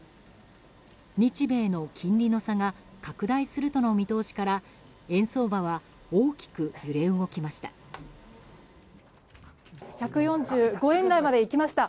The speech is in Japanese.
日米の金利の差が拡大するとの見通しから円相場は大きく揺れ動きました。